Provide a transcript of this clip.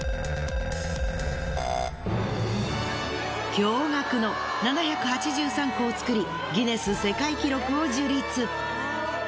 驚がくの７８３個を作りギネス世界記録を樹立。